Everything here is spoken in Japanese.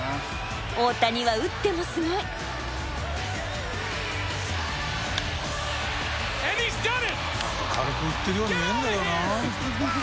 大谷は打ってもすごい！軽く振ってるように見えるんだよなあ。